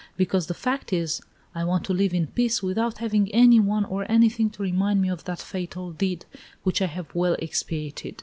Because the fact is, I want to live in peace, without having any one or anything to remind me of that fatal deed which I have well expiated.